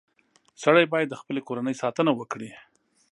• سړی باید د خپلې کورنۍ ساتنه وکړي.